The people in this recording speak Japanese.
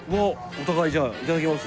お互いじゃあ頂きます。